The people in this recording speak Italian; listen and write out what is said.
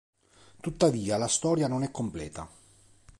Tuttavia la storia non è completa.